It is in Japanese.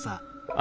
あ。